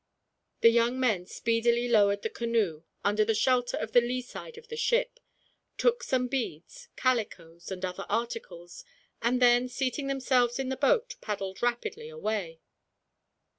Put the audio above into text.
The young men speedily lowered the canoe, under the shelter of the lee side of the ship, took some beads, calicoes, and other articles, and then, seating themselves in the boat, paddled rapidly away.